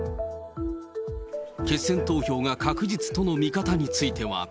決選投票が確実との見方については。